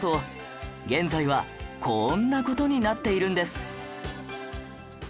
現在はこんな事になっているんです